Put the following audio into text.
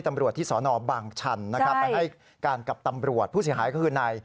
สมัยถูกทำร้าย